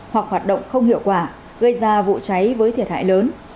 hoặc hoạt động không hiệu quả gây ra vụ cháy với thiệt hại lớn